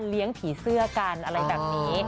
เลี้ยงผีเสื้อกันอะไรแบบนี้